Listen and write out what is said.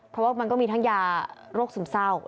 เพราะว่ามันก็มีทั้งยาโรคซึมเศร้า